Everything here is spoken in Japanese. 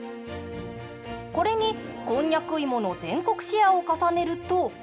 これにこんにゃく芋の全国シェアを重ねると。